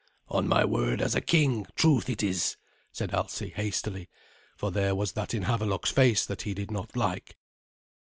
"On my word as a king, truth it is," said Alsi hastily, for there was that in Havelok's face that he did not like.